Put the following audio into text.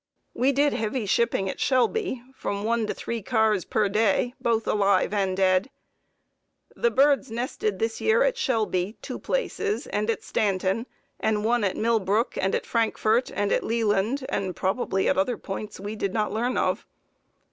We did heavy shipping at Shelby, from one to three cars per day, both alive and dead. The birds nested this year at Shelby, two places, and at Stanton, and one at Mill Brook and at Frankfort and at Leeland, and probably at other points we did not learn of.